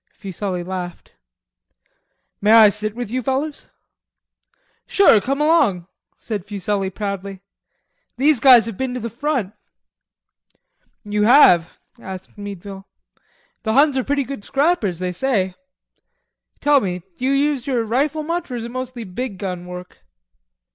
Fuselli laughed. "May I sit with you fellers?" "Sure, come along," said Fuselli proudly, "these guys have been to the front." "You have?" asked Meadville. "The Huns are pretty good scrappers, they say. Tell me, do you use your rifle much, or is it mostly big gun work?"